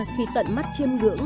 khi tận mắt chiêm ngưỡng